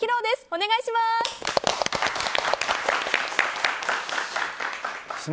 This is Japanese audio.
お願いします。